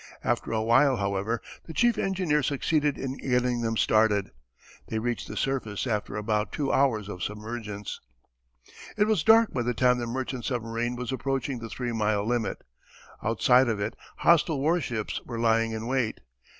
After a while, however, the chief engineer succeeded in getting them started. They reached the surface after about two hours of submergence. It was dark by the time the merchant submarine was approaching the three mile limit. Outside of it hostile warships were lying in wait.